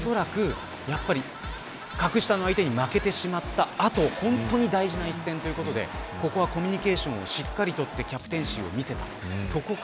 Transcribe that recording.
おそらく、格下の相手に負けてしまった後本当に大事な１戦ということでここはコミュニケーションをしっかりとってキャプテンシーを見せた。